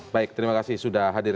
baik terima kasih sudah hadir